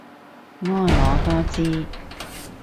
婀娜多姿